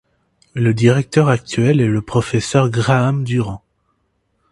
Le directeur actuel est le professeur Graham Durant.